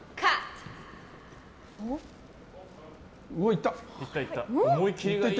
いった！